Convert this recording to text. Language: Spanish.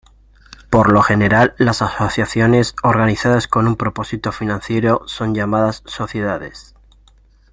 Por lo general las asociaciones organizadas con un propósito financiero son llamadas sociedades.